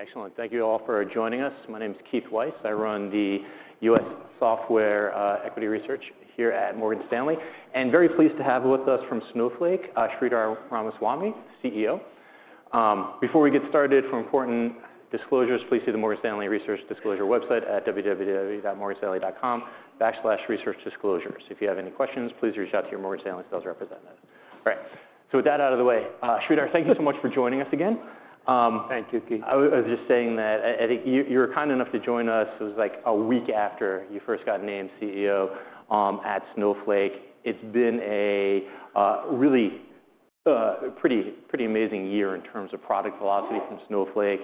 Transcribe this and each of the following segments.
Excellent. Thank you all for joining us. My name is Keith Weiss. I run the U.S. software equity research here at Morgan Stanley. And very pleased to have with us from Snowflake, Sridhar Ramaswamy, CEO. Before we get started, for important disclosures, please see the Morgan Stanley Research Disclosure website at www.morganstanley.com/researchdisclosures. If you have any questions, please reach out to your Morgan Stanley sales representative. All right. So with that out of the way, Sridhar, thank you so much for joining us again. Thank you, Keith. I was just saying that I think you were kind enough to join us. It was like a week after you first got named CEO at Snowflake. It's been a really pretty amazing year in terms of product velocity from Snowflake.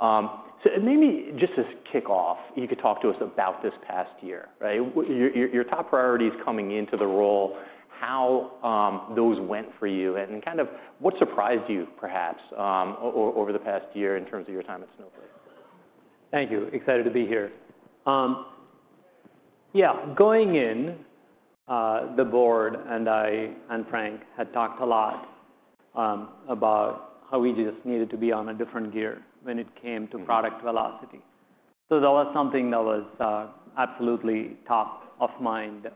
So maybe just to kick off, you could talk to us about this past year. Your top priorities coming into the role, how those went for you, and kind of what surprised you, perhaps, over the past year in terms of your time at Snowflake. Thank you. Excited to be here. Yeah, going in, the board and I and Frank had talked a lot about how we just needed to be on a different gear when it came to product velocity, so that was something that was absolutely top of mind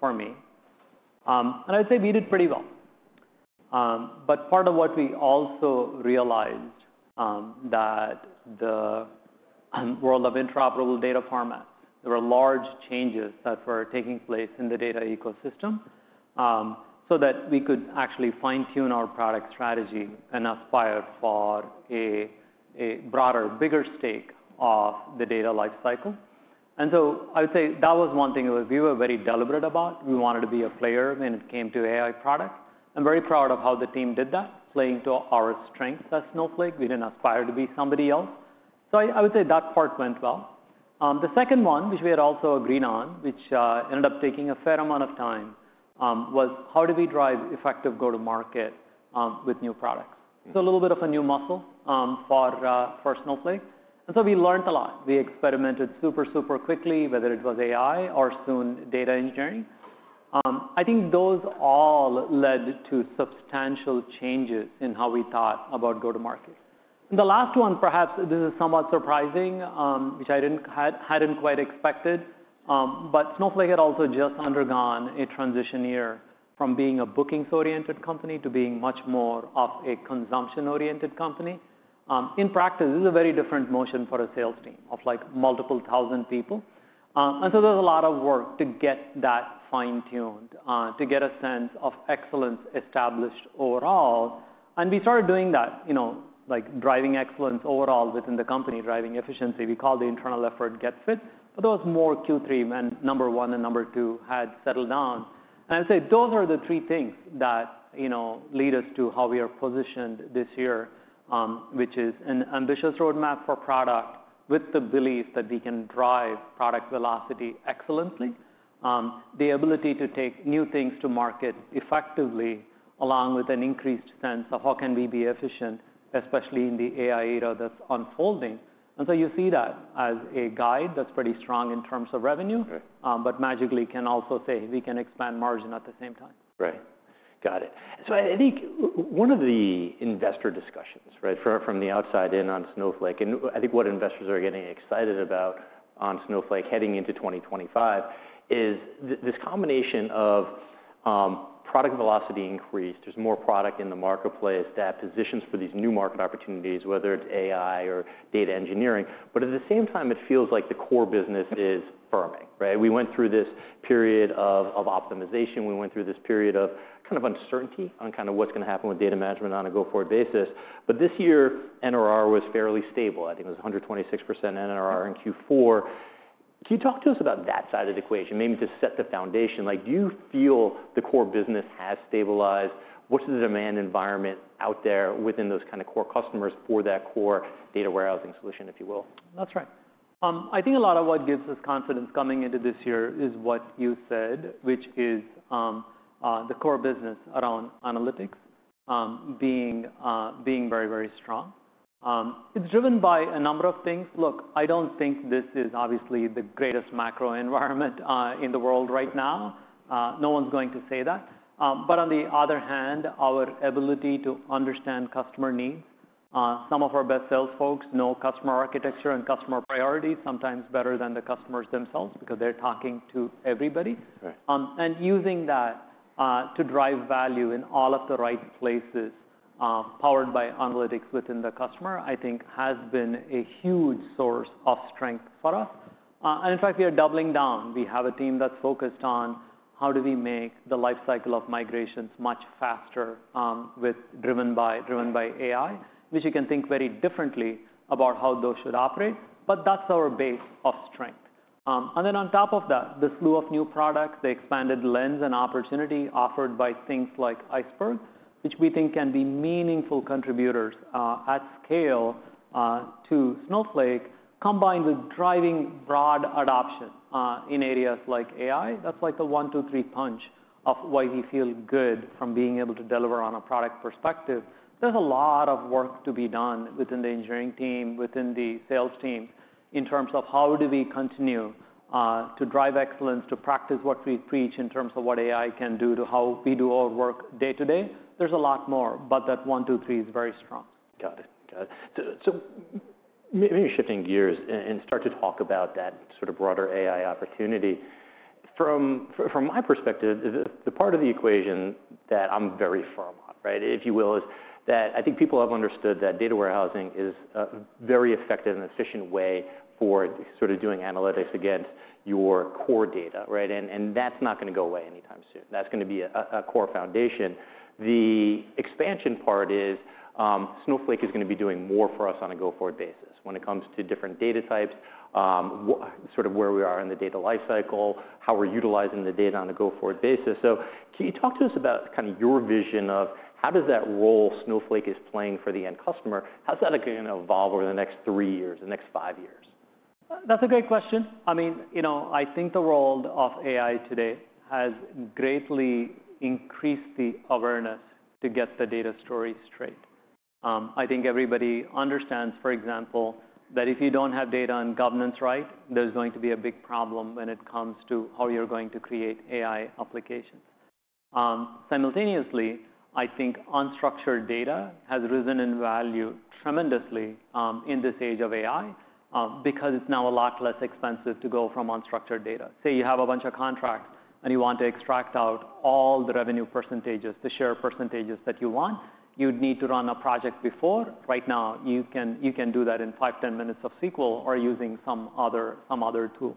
for me, and I'd say we did pretty well, but part of what we also realized that the world of interoperable data formats, there were large changes that were taking place in the data ecosystem so that we could actually fine-tune our product strategy and aspire for a broader, bigger stake of the data lifecycle, and so I would say that was one thing we were very deliberate about. We wanted to be a player when it came to AI products. I'm very proud of how the team did that, playing to our strengths at Snowflake. We didn't aspire to be somebody else. So I would say that part went well. The second one, which we had also agreed on, which ended up taking a fair amount of time, was how do we drive effective go-to-market with new products? So a little bit of a new muscle for Snowflake. And so we learned a lot. We experimented super, super quickly, whether it was AI or soon data engineering. I think those all led to substantial changes in how we thought about go-to-market. And the last one, perhaps this is somewhat surprising, which I hadn't quite expected, but Snowflake had also just undergone a transition year from being a bookings-oriented company to being much more of a consumption-oriented company. In practice, this is a very different motion for a sales team of like multiple thousand people. And so there's a lot of work to get that fine-tuned, to get a sense of excellence established overall. And we started doing that, like driving excellence overall within the company, driving efficiency. We called the internal effort Get Fit. But there was more Q3 when number one and number two had settled down. And I'd say those are the three things that lead us to how we are positioned this year, which is an ambitious roadmap for product with the belief that we can drive product velocity excellently, the ability to take new things to market effectively, along with an increased sense of how can we be efficient, especially in the AI era that's unfolding. And so you see that as a guide that's pretty strong in terms of revenue, but magically can also say we can expand margin at the same time. Right. Got it. So I think one of the investor discussions from the outside in on Snowflake, and I think what investors are getting excited about on Snowflake heading into 2025, is this combination of product velocity increase. There's more product in the marketplace that positions for these new market opportunities, whether it's AI or data engineering. But at the same time, it feels like the core business is firming. We went through this period of optimization. We went through this period of kind of uncertainty on kind of what's going to happen with data management on a go-forward basis. But this year, NRR was fairly stable. I think it was 126% NRR in Q4. Can you talk to us about that side of the equation, maybe to set the foundation? Do you feel the core business has stabilized? What's the demand environment out there within those kind of core customers for that core data warehousing solution, if you will? That's right. I think a lot of what gives us confidence coming into this year is what you said, which is the core business around analytics being very, very strong. It's driven by a number of things. Look, I don't think this is obviously the greatest macro environment in the world right now. No one's going to say that. But on the other hand, our ability to understand customer needs. Some of our best sales folks know customer architecture and customer priorities, sometimes better than the customers themselves because they're talking to everybody. And using that to drive value in all of the right places, powered by analytics within the customer, I think has been a huge source of strength for us. And in fact, we are doubling down. We have a team that's focused on how do we make the lifecycle of migrations much faster driven by AI, which you can think very differently about how those should operate, but that's our base of strength and then on top of that, the slew of new products, the expanded lens and opportunity offered by things like Iceberg, which we think can be meaningful contributors at scale to Snowflake, combined with driving broad adoption in areas like AI. That's like the one, two, three punch of why we feel good from being able to deliver on a product perspective. There's a lot of work to be done within the engineering team, within the sales teams, in terms of how do we continue to drive excellence, to practice what we preach in terms of what AI can do, to how we do our work day to day. There's a lot more, but that one, two, three is very strong. Got it. Got it. So maybe shifting gears and start to talk about that sort of broader AI opportunity. From my perspective, the part of the equation that I'm very firm on, if you will, is that I think people have understood that data warehousing is a very effective and efficient way for sort of doing analytics against your core data. And that's not going to go away anytime soon. That's going to be a core foundation. The expansion part is Snowflake is going to be doing more for us on a go-forward basis when it comes to different data types, sort of where we are in the data lifecycle, how we're utilizing the data on a go-forward basis. So can you talk to us about kind of your vision of how does that role Snowflake is playing for the end customer? How's that going to evolve over the next three years, the next five years? That's a great question. I mean, I think the role of AI today has greatly increased the awareness to get the data stories straight. I think everybody understands, for example, that if you don't have data and governance right, there's going to be a big problem when it comes to how you're going to create AI applications. Simultaneously, I think unstructured data has risen in value tremendously in this age of AI because it's now a lot less expensive to go from unstructured data. Say you have a bunch of contracts and you want to extract out all the revenue percentages, the share percentages that you want, you'd need to run a project before. Right now, you can do that in five, 10 minutes of SQL or using some other tool.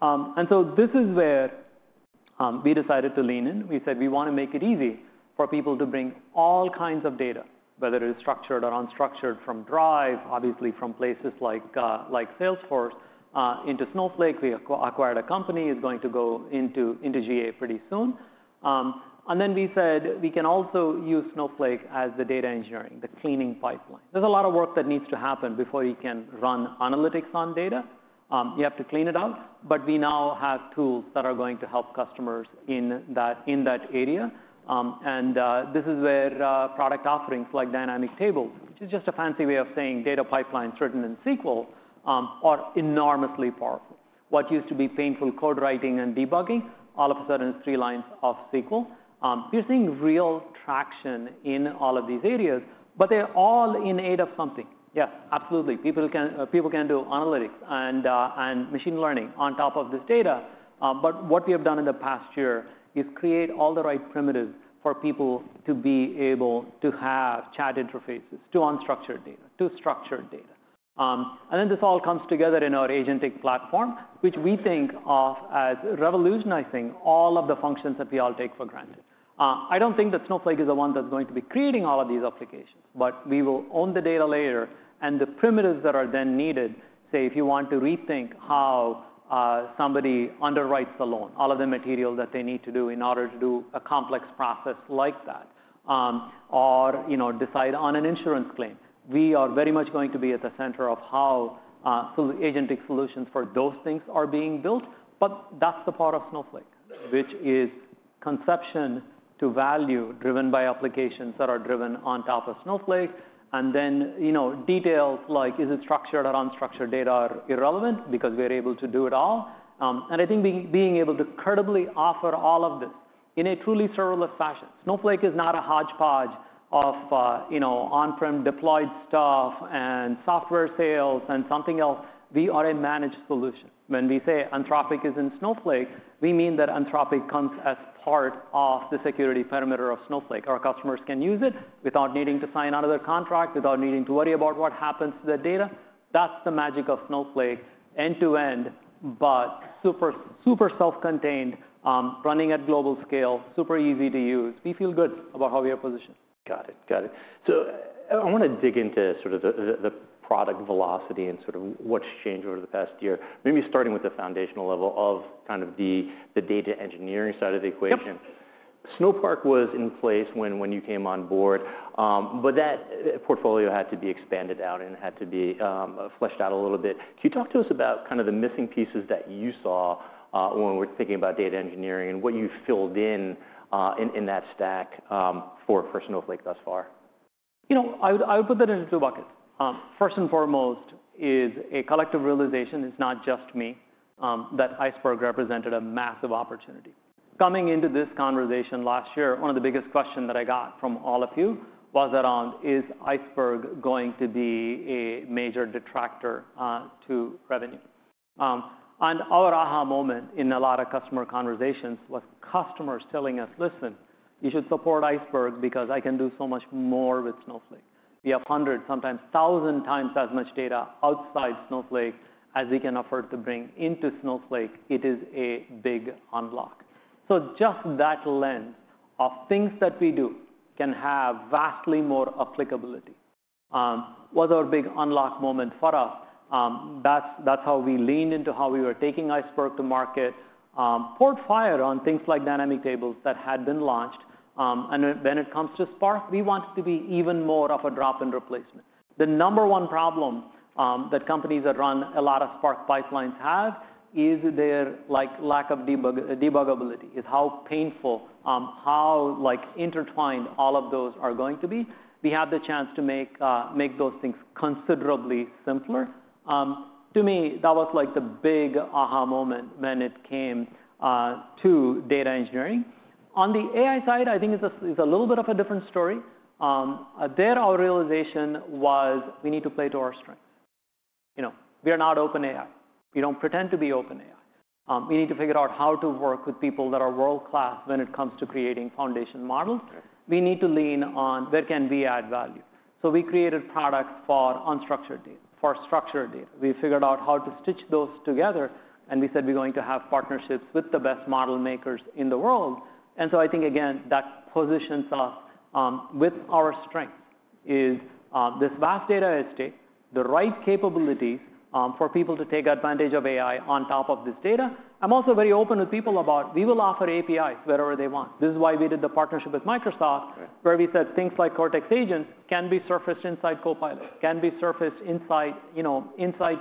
And so this is where we decided to lean in. We said we want to make it easy for people to bring all kinds of data, whether it is structured or unstructured, from Drive, obviously from places like Salesforce, into Snowflake. We acquired a company. It's going to go into GA pretty soon. And then we said we can also use Snowflake as the data engineering, the cleaning pipeline. There's a lot of work that needs to happen before you can run analytics on data. You have to clean it up. But we now have tools that are going to help customers in that area. And this is where product offerings like Dynamic Tables, which is just a fancy way of saying data pipelines written in SQL, are enormously powerful. What used to be painful code writing and debugging, all of a sudden is three lines of SQL. We're seeing real traction in all of these areas, but they're all in aid of something. Yes, absolutely. People can do analytics and machine learning on top of this data. But what we have done in the past year is create all the right primitives for people to be able to have chat interfaces to unstructured data, to structured data. And then this all comes together in our agentic platform, which we think of as revolutionizing all of the functions that we all take for granted. I don't think that Snowflake is the one that's going to be creating all of these applications, but we will own the data layer and the primitives that are then needed. Say if you want to rethink how somebody underwrites a loan, all of the material that they need to do in order to do a complex process like that, or decide on an insurance claim, we are very much going to be at the center of how agentic solutions for those things are being built. But that's the part of Snowflake, which is conception to value driven by applications that are driven on top of Snowflake. And then details like, is it structured or unstructured data irrelevant? Because we're able to do it all. And I think being able to credibly offer all of this in a truly serverless fashion. Snowflake is not a hodgepodge of on-prem deployed stuff and software sales and something else. We are a managed solution. When we say Anthropic is in Snowflake, we mean that Anthropic comes as part of the security perimeter of Snowflake, or customers can use it without needing to sign another contract, without needing to worry about what happens to the data. That's the magic of Snowflake, end to end, but super self-contained, running at global scale, super easy to use. We feel good about how we are positioned. Got it. Got it. So I want to dig into sort of the product velocity and sort of what's changed over the past year, maybe starting with the foundational level of kind of the data engineering side of the equation. Snowpark was in place when you came on board, but that portfolio had to be expanded out and had to be fleshed out a little bit. Can you talk to us about kind of the missing pieces that you saw when we're thinking about data engineering and what you've filled in in that stack for Snowflake thus far? You know, I would put that into two buckets. First and foremost is a collective realization it's not just me, that Iceberg represented a massive opportunity. Coming into this conversation last year, one of the biggest questions that I got from all of you was around, is Iceberg going to be a major detractor to revenue? And our aha moment in a lot of customer conversations was customers telling us, listen, you should support Iceberg because I can do so much more with Snowflake. We have 100, sometimes 1,000 times as much data outside Snowflake as we can afford to bring into Snowflake. It is a big unlock. So just that lens of things that we do can have vastly more applicability was our big unlock moment for us. That's how we leaned into how we were taking Iceberg to market, poured fire on things like dynamic tables that had been launched, and when it comes to Spark, we wanted to be even more of a drop-in replacement. The number one problem that companies that run a lot of Spark pipelines have is their lack of debuggability, is how painful, how intertwined all of those are going to be. We had the chance to make those things considerably simpler. To me, that was like the big aha moment when it came to data engineering. On the AI side, I think it's a little bit of a different story. There, our realization was we need to play to our strengths. We are not OpenAI. We don't pretend to be OpenAI. We need to figure out how to work with people that are world-class when it comes to creating foundation models. We need to lean on where can we add value. So we created products for unstructured data, for structured data. We figured out how to stitch those together. And we said we're going to have partnerships with the best model makers in the world. And so I think, again, that positions us with our strengths is this vast data estate, the right capabilities for people to take advantage of AI on top of this data. I'm also very open with people about we will offer APIs wherever they want. This is why we did the partnership with Microsoft, where we said things like Cortex Agents can be surfaced inside Copilot, can be surfaced inside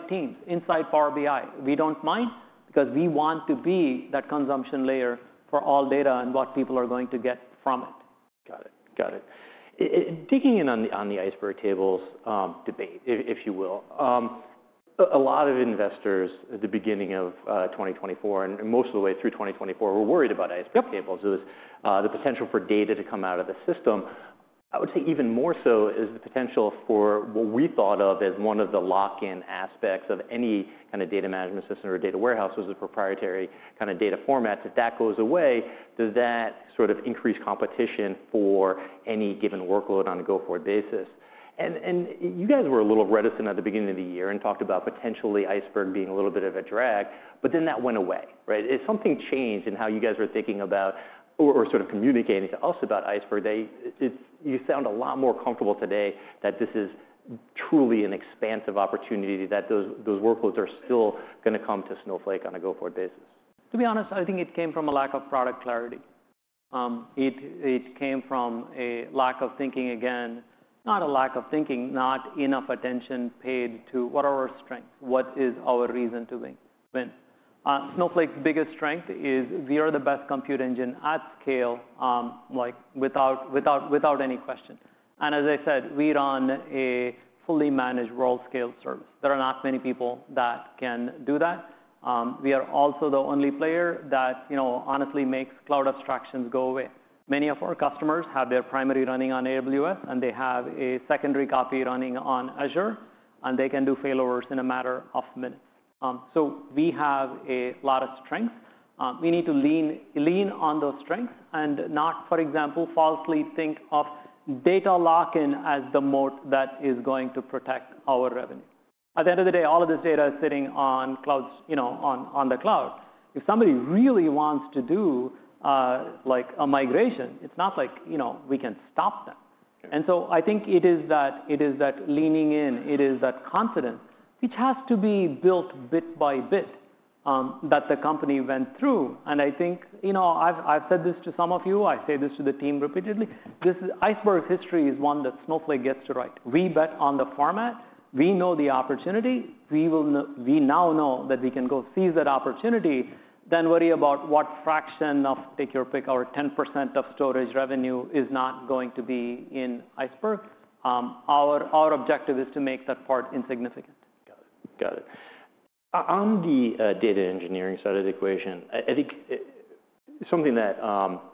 Teams, inside Power BI. We don't mind because we want to be that consumption layer for all data and what people are going to get from it. Got it. Got it. Digging in on the Iceberg Tables debate, if you will, a lot of investors at the beginning of 2024 and most of the way through 2024 were worried about Iceberg Tables. It was the potential for data to come out of the system. I would say even more so is the potential for what we thought of as one of the lock-in aspects of any kind of data management system or data warehouse was a proprietary kind of data format. That goes away, does that sort of increase competition for any given workload on a go-forward basis? And you guys were a little reticent at the beginning of the year and talked about potentially Iceberg being a little bit of a drag, but then that went away? If something changed in how you guys were thinking about or sort of communicating to us about Iceberg, you sound a lot more comfortable today that this is truly an expansive opportunity, that those workloads are still going to come to Snowflake on a go-forward basis? To be honest, I think it came from a lack of product clarity. It came from a lack of thinking, again, not a lack of thinking, not enough attention paid to what are our strengths, what is our reason to win. Snowflake's biggest strength is we are the best compute engine at scale without any question. And as I said, we run a fully managed world-scale service. There are not many people that can do that. We are also the only player that honestly makes cloud abstractions go away. Many of our customers have their primary running on AWS, and they have a secondary copy running on Azure, and they can do failovers in a matter of minutes. So we have a lot of strengths. We need to lean on those strengths and not, for example, falsely think of data lock-in as the moat that is going to protect our revenue. At the end of the day, all of this data is sitting on the cloud. If somebody really wants to do a migration, it's not like we can stop them. And so I think it is that leaning in, it is that confidence, which has to be built bit by bit that the company went through. And I think I've said this to some of you. I say this to the team repeatedly. Iceberg history is one that Snowflake gets to write. We bet on the format. We know the opportunity. We now know that we can go seize that opportunity, then worry about what fraction of, take your pick, our 10% of storage revenue is not going to be in Iceberg. Our objective is to make that part insignificant. Got it. Got it. On the data engineering side of the equation, I think something that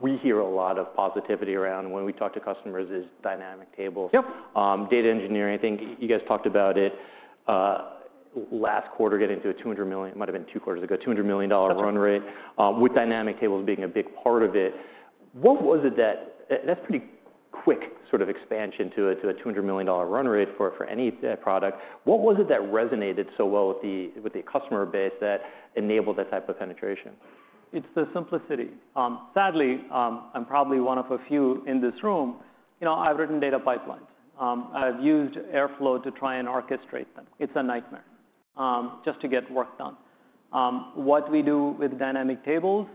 we hear a lot of positivity around when we talk to customers is dynamic tables. Data engineering, I think you guys talked about it last quarter getting to a $200 million, might have been two quarters ago, $200 million run rate, with dynamic tables being a big part of it. What was it that that's pretty quick sort of expansion to a $200 million run rate for any product? What was it that resonated so well with the customer base that enabled that type of penetration? It's the simplicity. Sadly, I'm probably one of a few in this room. I've written data pipelines. I've used Airflow to try and orchestrate them. It's a nightmare just to get work done. What we do with dynamic tables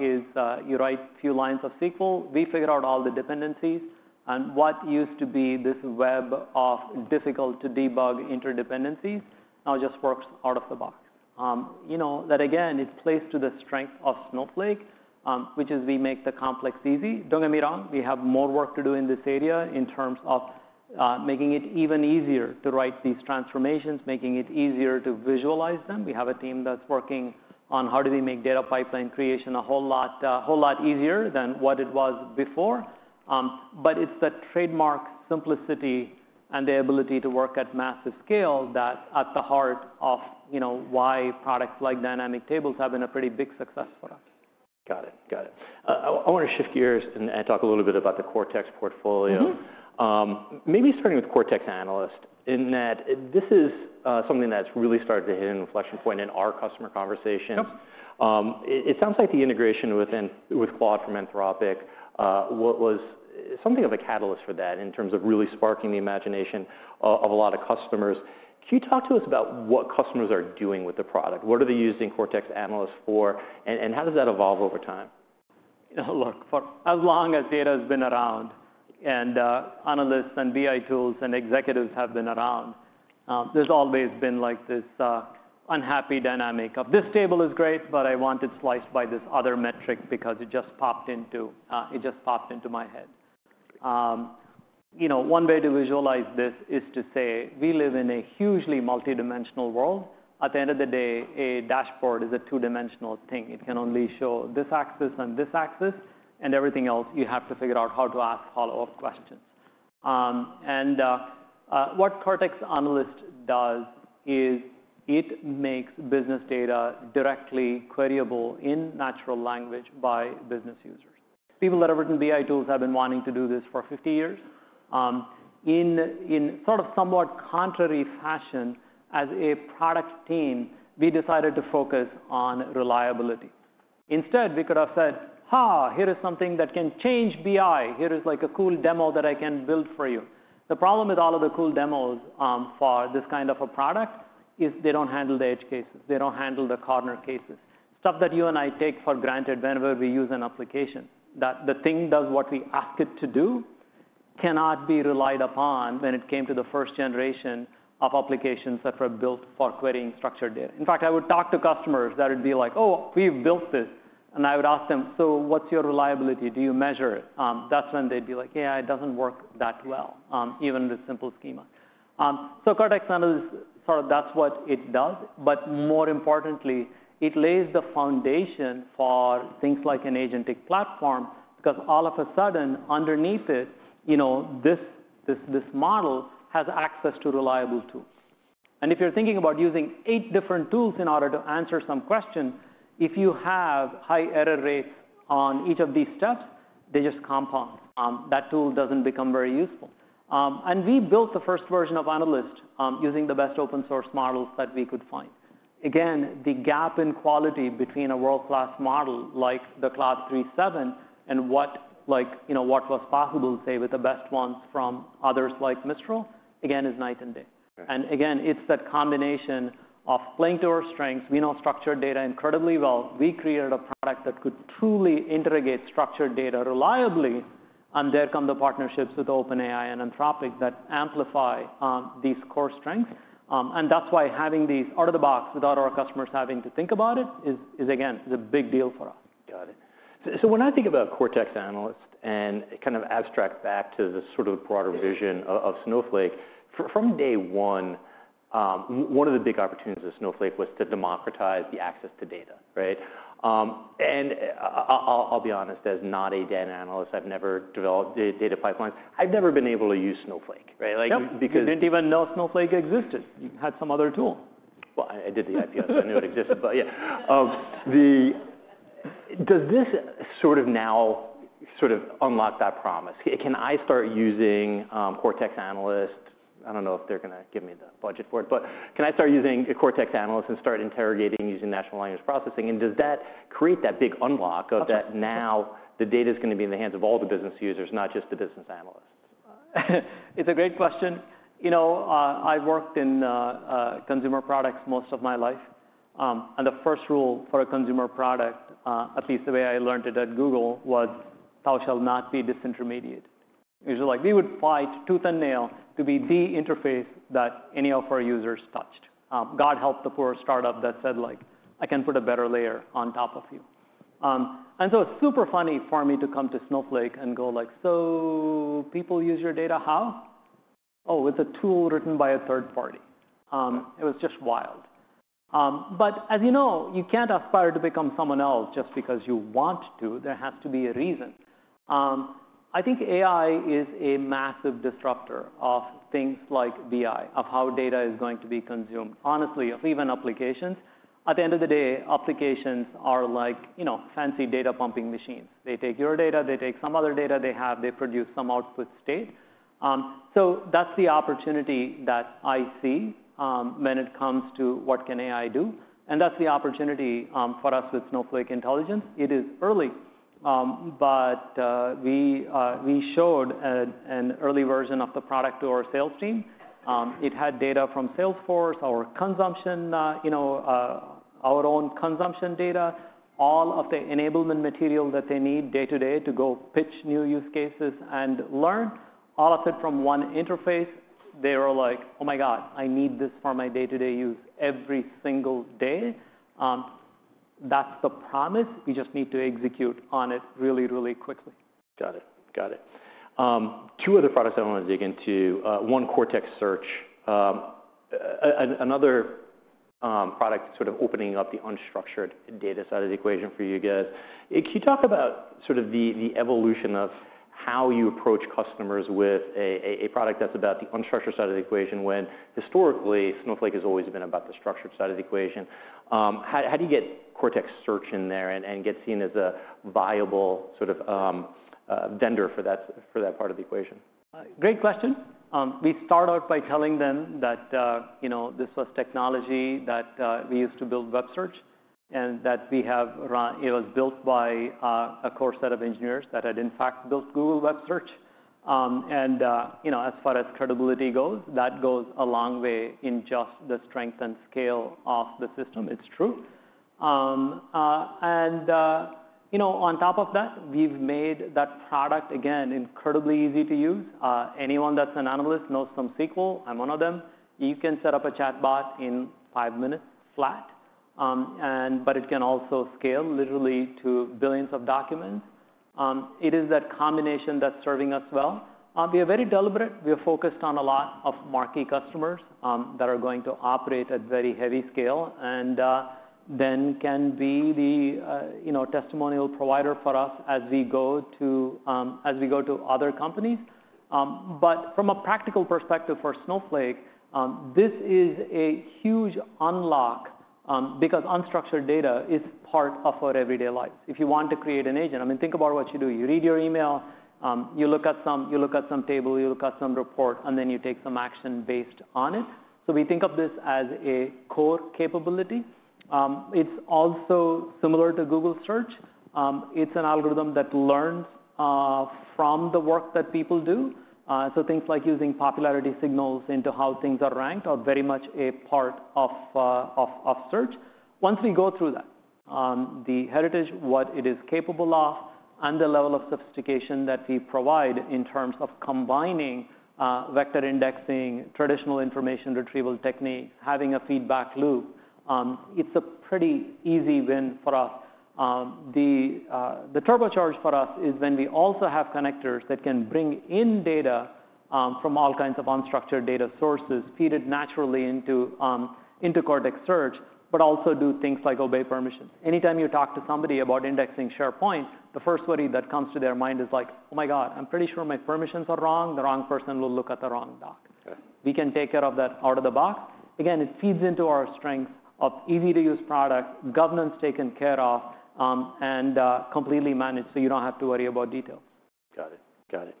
is you write a few lines of SQL. We figure out all the dependencies. And what used to be this web of difficult-to-debug interdependencies now just works out of the box. That, again, plays to the strength of Snowflake, which is we make the complex easy. Don't get me wrong. We have more work to do in this area in terms of making it even easier to write these transformations, making it easier to visualize them. We have a team that's working on how do we make data pipeline creation a whole lot easier than what it was before. But it's the trademark simplicity and the ability to work at massive scale that's at the heart of why products like Dynamic Tables have been a pretty big success for us. Got it. Got it. I want to shift gears and talk a little bit about the Cortex portfolio, maybe starting with Cortex Analyst, in that this is something that's really started to hit an inflection point in our customer conversations. It sounds like the integration with Claude from Anthropic was something of a catalyst for that in terms of really sparking the imagination of a lot of customers. Can you talk to us about what customers are doing with the product? What are they using Cortex Analyst for, and how does that evolve over time? Look, for as long as data has been around and analysts and BI tools and executives have been around, there's always been this unhappy dynamic of this table is great, but I want it sliced by this other metric because it just popped into my head. One way to visualize this is to say we live in a hugely multidimensional world. At the end of the day, a dashboard is a two-dimensional thing. It can only show this axis and this axis, and everything else, you have to figure out how to ask follow-up questions. And what Cortex Analyst does is it makes business data directly queryable in natural language by business users. People that have written BI tools have been wanting to do this for 50 years. In sort of somewhat contrary fashion, as a product team, we decided to focus on reliability. Instead, we could have said, ha, here is something that can change BI. Here is like a cool demo that I can build for you. The problem with all of the cool demos for this kind of a product is they don't handle the edge cases. They don't handle the corner cases, stuff that you and I take for granted whenever we use an application. The thing does what we ask it to do, cannot be relied upon when it came to the first generation of applications that were built for querying structured data. In fact, I would talk to customers that would be like, oh, we've built this. And I would ask them, so what's your reliability? Do you measure it? That's when they'd be like, yeah, it doesn't work that well, even with simple schemas. So Cortex Analyst, sort of that's what it does. But more importantly, it lays the foundation for things like an agentic platform because all of a sudden, underneath it, this model has access to reliable tools. And if you're thinking about using eight different tools in order to answer some question, if you have high error rates on each of these steps, they just compound. That tool doesn't become very useful. And we built the first version of Analyst using the best open-source models that we could find. Again, the gap in quality between a world-class model like the Claude 3.7 and what was possible, say, with the best ones from others like Mistral, again, is night and day. And again, it's that combination of playing to our strengths. We know structured data incredibly well. We created a product that could truly interrogate structured data reliably. There come the partnerships with OpenAI and Anthropic that amplify these core strengths. That's why having these out of the box without our customers having to think about it is, again, a big deal for us. Got it. So when I think about Cortex Analyst and kind of abstract back to the sort of broader vision of Snowflake, from day one, one of the big opportunities of Snowflake was to democratize the access to data. And I'll be honest, as not a data analyst, I've never developed data pipelines. I've never been able to use Snowflake. No, you didn't even know Snowflake existed. You had some other tool. I did the IPO, so I knew it existed. But yeah. Does this sort of now sort of unlock that promise? Can I start using Cortex Analyst? I don't know if they're going to give me the budget for it, but can I start using Cortex Analyst and start interrogating using natural language processing? And does that create that big unlock of that now the data is going to be in the hands of all the business users, not just the business analysts? It's a great question. I've worked in consumer products most of my life, and the first rule for a consumer product, at least the way I learned it at Google, was thou shalt not be disintermediated. It was like we would fight tooth and nail to be the interface that any of our users touched. God help the poor startup that said, I can put a better layer on top of you, and so it's super funny for me to come to Snowflake and go like, so people use your data, how? Oh, it's a tool written by a third party. It was just wild, but as you know, you can't aspire to become someone else just because you want to. There has to be a reason. I think AI is a massive disruptor of things like BI, of how data is going to be consumed, honestly, of even applications. At the end of the day, applications are like fancy data pumping machines. They take your data, they take some other data they have, they produce some output state. So that's the opportunity that I see when it comes to what can AI do. And that's the opportunity for us with Snowflake Intelligence. It is early, but we showed an early version of the product to our sales team. It had data from Salesforce, our consumption, our own consumption data, all of the enablement material that they need day to day to go pitch new use cases and learn, all of it from one interface. They were like, oh my god, I need this for my day-to-day use every single day. That's the promise. We just need to execute on it really, really quickly. Got it. Got it. Two other products I want to dig into. One, Cortex Search. Another product sort of opening up the unstructured data side of the equation for you guys. Can you talk about sort of the evolution of how you approach customers with a product that's about the unstructured side of the equation when historically, Snowflake has always been about the structured side of the equation? How do you get Cortex Search in there and get seen as a viable sort of vendor for that part of the equation? Great question. We start out by telling them that this was technology that we used to build Web Search and that it was built by a core set of engineers that had, in fact, built Google Web Search, and as far as credibility goes, that goes a long way in just the strength and scale of the system. It's true, and on top of that, we've made that product, again, incredibly easy to use. Anyone that's an analyst knows some SQL. I'm one of them. You can set up a chatbot in five minutes flat, but it can also scale literally to billions of documents. It is that combination that's serving us well. We are very deliberate. We are focused on a lot of marquee customers that are going to operate at very heavy scale and then can be the testimonial provider for us as we go to other companies. But from a practical perspective for Snowflake, this is a huge unlock because unstructured data is part of our everyday lives. If you want to create an agent, I mean, think about what you do. You read your email, you look at some table, you look at some report, and then you take some action based on it. So we think of this as a core capability. It's also similar to Google Search. It's an algorithm that learns from the work that people do. So things like using popularity signals into how things are ranked are very much a part of search. Once we go through that, the heritage, what it is capable of, and the level of sophistication that we provide in terms of combining vector indexing, traditional information retrieval techniques, having a feedback loop, it's a pretty easy win for us. The turbocharge for us is when we also have connectors that can bring in data from all kinds of unstructured data sources, feed it naturally into Cortex Search, but also do things like obey permissions. Anytime you talk to somebody about indexing SharePoint, the first worry that comes to their mind is like, oh my god, I'm pretty sure my permissions are wrong. The wrong person will look at the wrong doc. We can take care of that out of the box. Again, it feeds into our strengths of easy-to-use product, governance taken care of, and completely managed so you don't have to worry about details. Got it. Got it.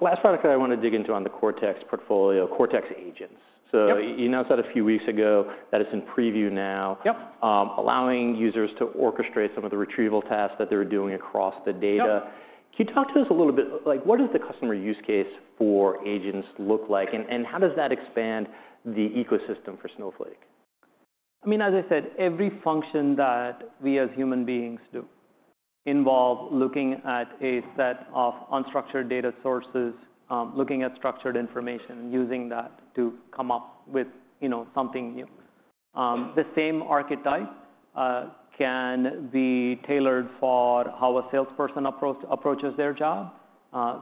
Last product that I want to dig into on the Cortex portfolio, Cortex Agents. So you announced that a few weeks ago. That is in preview now, allowing users to orchestrate some of the retrieval tasks that they're doing across the data. Can you talk to us a little bit? What does the customer use case for agents look like, and how does that expand the ecosystem for Snowflake? I mean, as I said, every function that we as human beings do involves looking at a set of unstructured data sources, looking at structured information, using that to come up with something new. The same archetype can be tailored for how a salesperson approaches their job,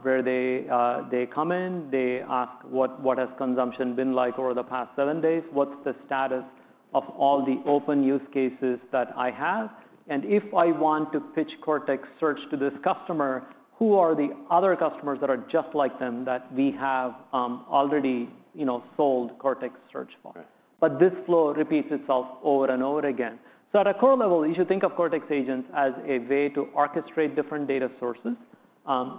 where they come in, they ask what has consumption been like over the past seven days, what's the status of all the open use cases that I have, and if I want to pitch Cortex Search to this customer, who are the other customers that are just like them that we have already sold Cortex Search for, but this flow repeats itself over and over again. So at a core level, you should think of Cortex Agents as a way to orchestrate different data sources,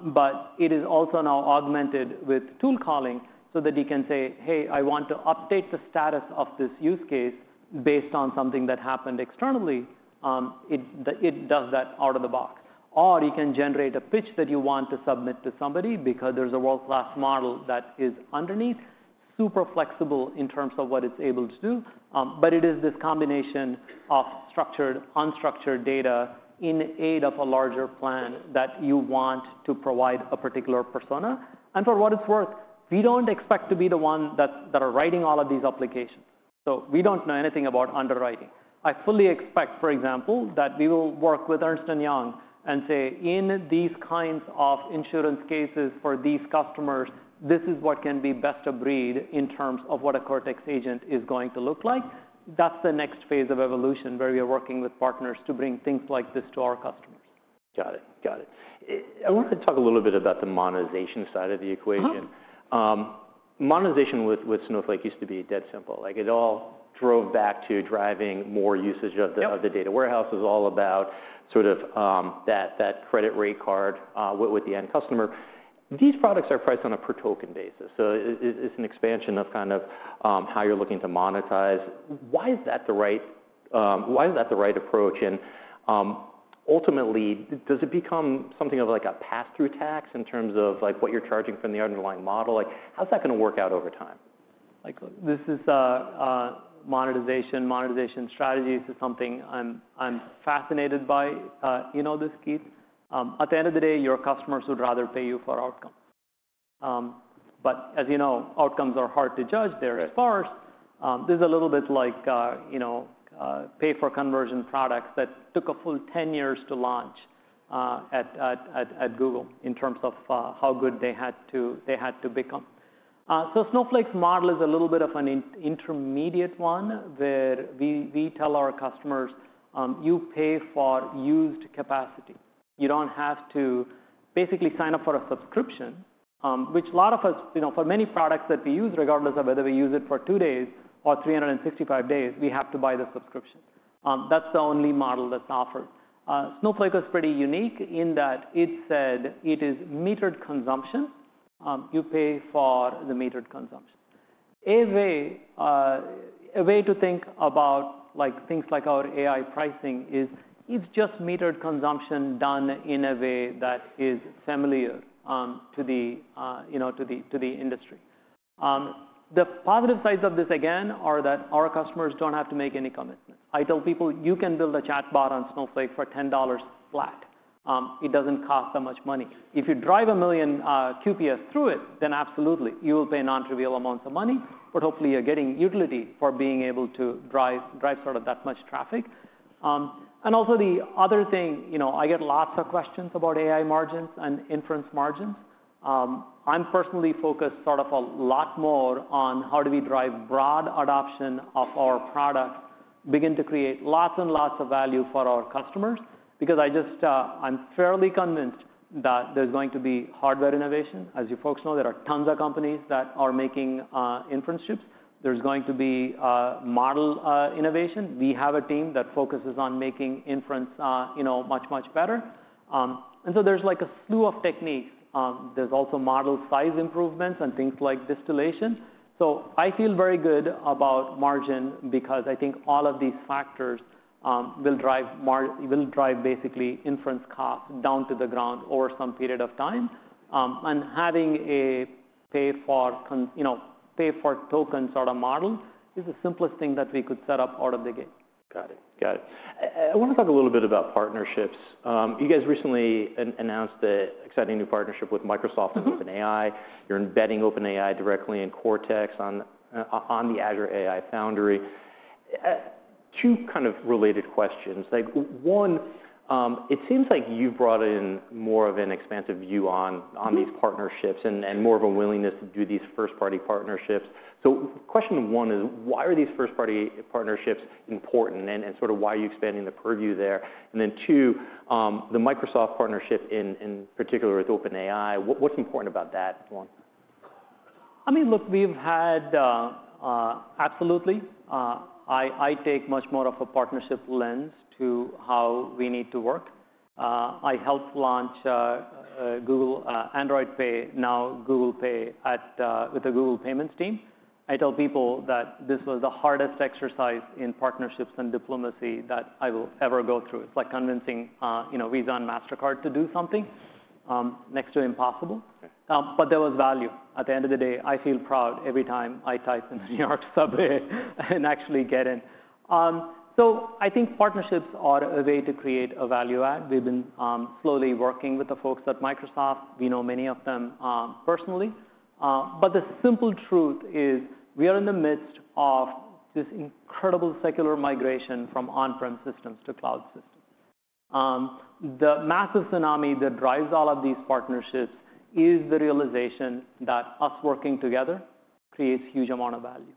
but it is also now augmented with tool calling so that you can say, hey, I want to update the status of this use case based on something that happened externally. It does that out of the box. Or you can generate a pitch that you want to submit to somebody because there's a world-class model that is underneath, super flexible in terms of what it's able to do. But it is this combination of structured, unstructured data in aid of a larger plan that you want to provide a particular persona. And for what it's worth, we don't expect to be the one that are writing all of these applications. So we don't know anything about underwriting. I fully expect, for example, that we will work with Ernst & Young and say, in these kinds of insurance cases for these customers, this is what can be best of breed in terms of what a Cortex Agent is going to look like. That's the next phase of evolution where we are working with partners to bring things like this to our customers. Got it. Got it. I want to talk a little bit about the monetization side of the equation. Monetization with Snowflake used to be dead simple. It all drove back to driving more usage of the data warehouse. It was all about sort of that credit rate card with the end customer. These products are priced on a per-token basis. So it's an expansion of kind of how you're looking to monetize. Why is that the right approach? And ultimately, does it become something of like a pass-through tax in terms of what you're charging from the underlying model? How's that going to work out over time? This is monetization. Monetization strategies is something I'm fascinated by, you know this, Keith. At the end of the day, your customers would rather pay you for outcomes. But as you know, outcomes are hard to judge. They're sparse. This is a little bit like pay-for-conversion products that took a full 10 years to launch at Google in terms of how good they had to become. So Snowflake's model is a little bit of an intermediate one where we tell our customers, you pay for used capacity. You don't have to basically sign up for a subscription, which a lot of us, for many products that we use, regardless of whether we use it for two days or 365 days, we have to buy the subscription. That's the only model that's offered. Snowflake is pretty unique in that it said it is metered consumption. You pay for the metered consumption. A way to think about things like our AI pricing is it's just metered consumption done in a way that is familiar to the industry. The positive sides of this, again, are that our customers don't have to make any commitments. I tell people, you can build a chatbot on Snowflake for $10 flat. It doesn't cost that much money. If you drive a million QPS through it, then absolutely, you will pay non-trivial amounts of money, but hopefully, you're getting utility for being able to drive sort of that much traffic. And also, the other thing, I get lots of questions about AI margins and inference margins. I'm personally focused sort of a lot more on how do we drive broad adoption of our products, begin to create lots and lots of value for our customers. Because I'm fairly convinced that there's going to be hardware innovation. As you folks know, there are tons of companies that are making inference chips. There's going to be model innovation. We have a team that focuses on making inference much, much better. And so there's like a slew of techniques. There's also model size improvements and things like distillation. So I feel very good about margin because I think all of these factors will drive basically inference costs down to the ground over some period of time. And having a pay-for-token sort of model is the simplest thing that we could set up out of the gate. Got it. Got it. I want to talk a little bit about partnerships. You guys recently announced the exciting new partnership with Microsoft and OpenAI. You're embedding OpenAI directly in Cortex on the Azure AI Foundry. Two kind of related questions. One, it seems like you've brought in more of an expansive view on these partnerships and more of a willingness to do these first-party partnerships. So question one is, why are these first-party partnerships important and sort of why are you expanding the purview there? And then two, the Microsoft partnership in particular with OpenAI, what's important about that one? I mean, look, we've had absolutely. I take much more of a partnership lens to how we need to work. I helped launch Android Pay, now Google Pay with the Google Payments team. I tell people that this was the hardest exercise in partnerships and diplomacy that I will ever go through. It's like convincing Visa and Mastercard to do something next to impossible. But there was value. At the end of the day, I feel proud every time I type in the New York subway and actually get in. So I think partnerships are a way to create a value add. We've been slowly working with the folks at Microsoft. We know many of them personally. But the simple truth is we are in the midst of this incredible secular migration from on-prem systems to cloud systems. The massive tsunami that drives all of these partnerships is the realization that us working together creates a huge amount of value.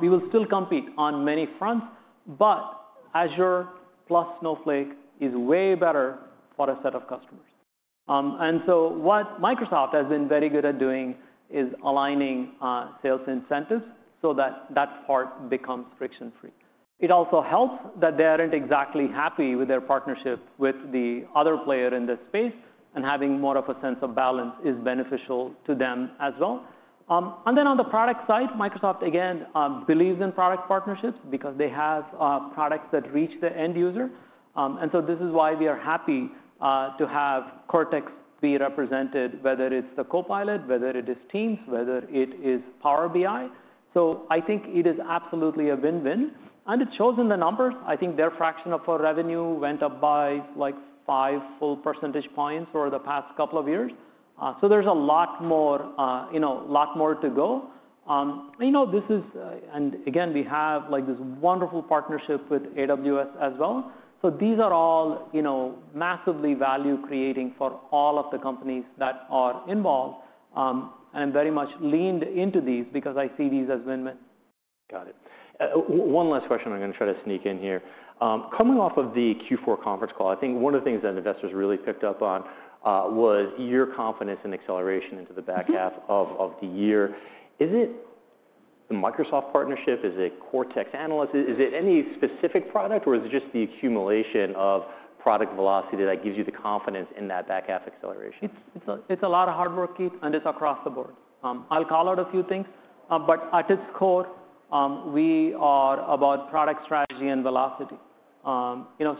We will still compete on many fronts, but Azure plus Snowflake is way better for a set of customers, and so what Microsoft has been very good at doing is aligning sales incentives so that that part becomes friction-free. It also helps that they aren't exactly happy with their partnership with the other player in this space, and having more of a sense of balance is beneficial to them as well, and then on the product side, Microsoft, again, believes in product partnerships because they have products that reach the end user, and so this is why we are happy to have Cortex be represented, whether it's the Copilot, whether it is Teams, whether it is Power BI, so I think it is absolutely a win-win. And it shows in the numbers. I think their fraction of our revenue went up by like five full percentage points over the past couple of years. So there's a lot more to go. And again, we have this wonderful partnership with AWS as well. So these are all massively value-creating for all of the companies that are involved. And I'm very much leaned into these because I see these as win-win. Got it. One last question. I'm going to try to sneak in here. Coming off of the Q4 conference call, I think one of the things that investors really picked up on was your confidence in acceleration into the back half of the year. Is it the Microsoft partnership? Is it Cortex Analyst? Is it any specific product, or is it just the accumulation of product velocity that gives you the confidence in that back half acceleration? It's a lot of hard work, Keith, and it's across the board. I'll call out a few things. But at its core, we are about product strategy and velocity.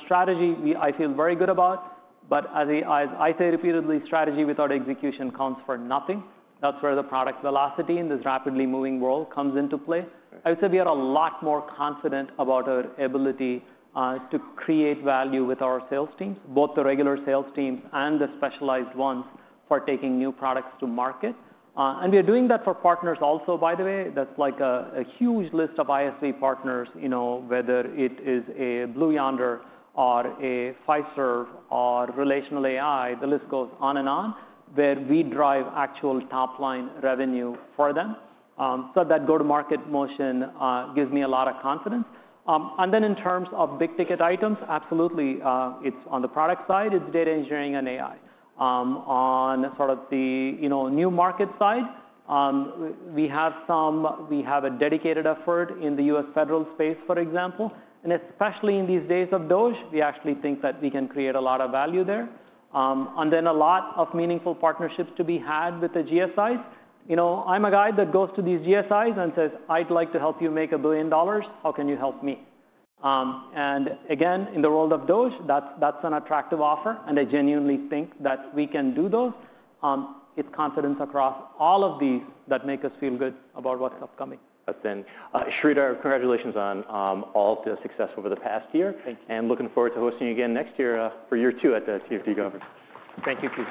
Strategy, I feel very good about. But as I say repeatedly, strategy without execution counts for nothing. That's where the product velocity in this rapidly moving world comes into play. I would say we are a lot more confident about our ability to create value with our sales teams, both the regular sales teams and the specialized ones for taking new products to market. And we are doing that for partners also, by the way. That's like a huge list of ISV partners, whether it is a Blue Yonder or a Fiserv or RelationalAI. The list goes on and on, where we drive actual top-line revenue for them. So that go-to-market motion gives me a lot of confidence. And then in terms of big-ticket items, absolutely, it's on the product side. It's data engineering and AI. On sort of the new market side, we have a dedicated effort in the U.S. federal space, for example. And especially in these days of DOGE, we actually think that we can create a lot of value there. And then a lot of meaningful partnerships to be had with the GSIs. I'm a guy that goes to these GSIs and says, I'd like to help you make $1 billion. How can you help me? And again, in the world of DOGE, that's an attractive offer. And I genuinely think that we can do those. It's confidence across all of these that make us feel good about what's upcoming. Sridhar, congratulations on all of the success over the past year. Thank you. Looking forward to hosting you again next year for year two at the TFD conference. Thank you.